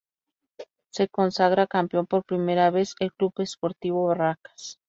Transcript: Se consagró campeón por primera vez el Club Sportivo Barracas.